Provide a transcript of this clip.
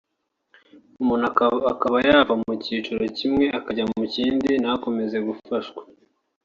umuntu akaba yava mu cyiciro akajya mu kindi ntakomeze gufashwa